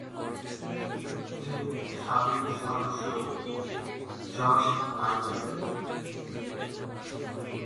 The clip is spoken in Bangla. এর সাবেক সদস্য জর্জ মাইকেল।